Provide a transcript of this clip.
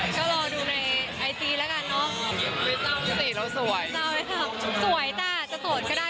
ใช่ก็รอดูในไอซีละกันเนาะ